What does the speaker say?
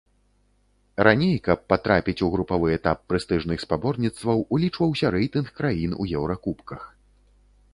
Раней, каб патрапіць у групавы этап прэстыжных спаборніцтваў, улічваўся рэйтынг краін у еўракубках.